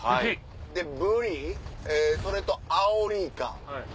でブリそれとアオリイカ。